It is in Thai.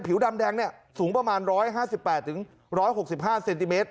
ผิวดำแดงเนี่ยสูงประมาณ๑๕๘๑๖๕เซนติเมตร